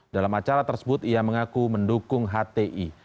dalam acara tersebut ia mengaku mendukung hti